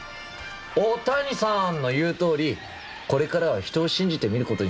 オオタニサンの言うとおりこれからは人を信じてみることにする。